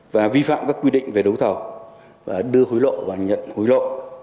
và vi phạm các quy định về đấu thầu và đưa hối lộ và nhận hối lộ